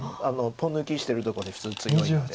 ポン抜きしてるとこで普通強いんで。